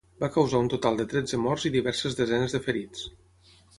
Va causar un total de tretze morts i diverses desenes de ferits.